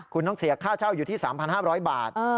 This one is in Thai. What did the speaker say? คุณต้องเสียค่าเช่าอยู่ที่๓๕๐๐บาท